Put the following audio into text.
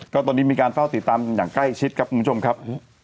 ก็ตอนนี้มีการเฝ้าติดตามอย่างใกล้ชิดครับคุณผู้ชมครับ